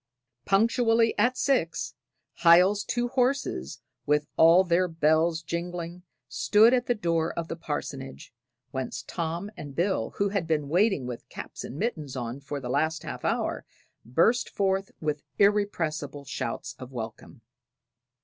Punctually at six, Hiel's two horses, with all their bells jingling, stood at the door of the parsonage, whence Tom and Bill, who had been waiting with caps and mittens on for the last half hour, burst forth with irrepressible shouts of welcome.